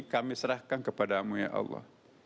kami serahkan kepada mu ya allah